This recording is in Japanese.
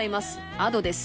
Ａｄｏです。